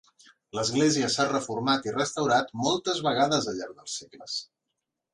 L'església s'ha reformat i restaurat moltes vegades al llarg dels segles.